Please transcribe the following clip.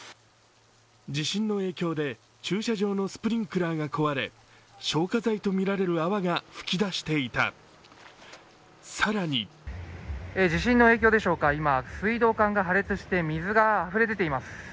地震の影響で駐車場のスプリンクラーが壊れ消火剤とみられる泡が吹き出していた、更に地震の影響でしょうか、今水道管が破裂して水があふれ出ています。